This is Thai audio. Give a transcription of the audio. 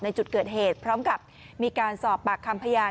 ในจุดเกิดเหตุพร้อมกับมีการสอบปากคำพยาน